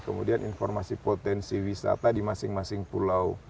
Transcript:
kemudian informasi potensi wisata di masing masing pulau